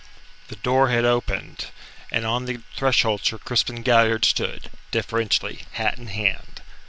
The door had opened, and on the threshold Sir Crispin Galliard stood, deferentially, hat in hand.